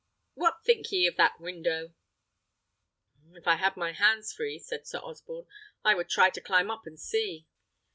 What think ye o' that window?" "If I had my hands free," said Sir Osborne, "I would try to climb up and see."